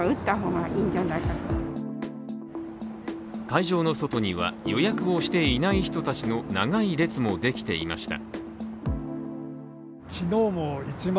会場の外には予約をしていない人たちの長い列もできていました。